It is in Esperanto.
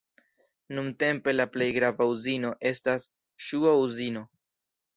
Nuntempe la plej grava uzino estas ŝuo-uzino.